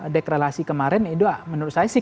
dekrelasi kemarin itu menurut saya sih